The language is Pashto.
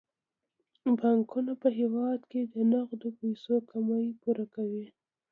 بانکونه په هیواد کې د نغدو پيسو کمی پوره کوي.